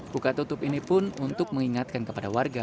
buka tutup ini pun untuk mengingatkan kepada warga